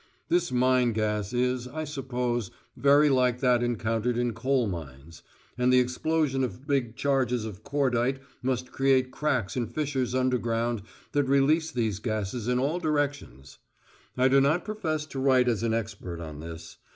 This mine gas is, I suppose, very like that encountered in coal mines; and the explosion of big charges of cordite must create cracks and fissures underground that release these gases in all directions. I do not profess to write as an expert on this.